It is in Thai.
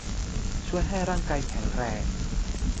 ช่วยให้ร่างกายแข็งแรง